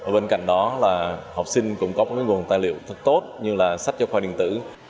bên cạnh đó học sinh cũng có các nguồn tài liệu thật tốt như là sách cho khoa điện tử